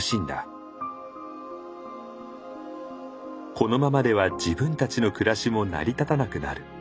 このままでは自分たちの暮らしも成り立たなくなる。